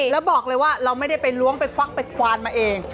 แล้วบอกเลยว่าเราไม่ได้ไปล้วงไปควักไปควานมาเอง